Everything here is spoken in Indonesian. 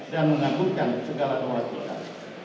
dan menanggutkan segala kewajiban